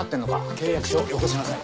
契約書よこしなさい。